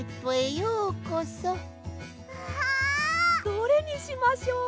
どれにしましょう？